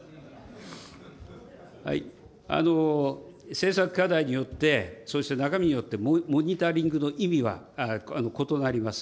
政策課題によって、そして中身によってモニタリングの意味は異なります。